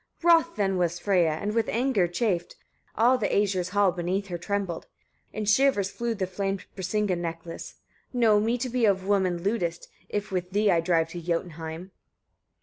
14. Wroth then was Freyia, and with anger chafed, all the Æsir's hall beneath her trembled: in shivers flew the famed Brisinga necklace. "Know me to be of women lewdest, if with thee I drive to Jotunheim."